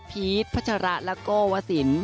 พีชพัชหารักโก้วาสิน